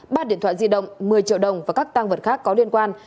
ba điện thoại di động một mươi triệu đồng và các tăng vật khác có liên quan